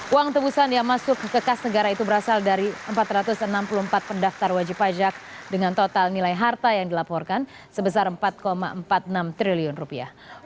uang tebusan yang masuk ke kas negara itu berasal dari empat ratus enam puluh empat pendaftar wajib pajak dengan total nilai harta yang dilaporkan sebesar empat empat puluh enam triliun rupiah